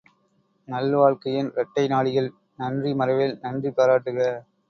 நல்வாழ்க்கையின் இரட்டை நாடிகள் நன்றி மறவேல் நன்றி பாராட்டுக!